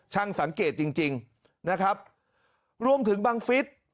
สังเกตจริงจริงนะครับรวมถึงบังฟิศ